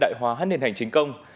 đại hóa hát nền hành chính công